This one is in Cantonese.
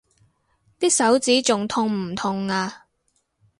啲手指仲痛唔痛啊？